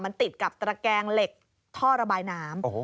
มันติดกับตระแกงเหล็กท่อระบายน้ำ